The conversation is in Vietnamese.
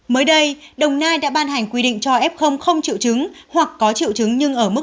mới đây đồng nai đã ban hành quy định cho f không triệu chứng hoặc có triệu chứng nhưng ở mức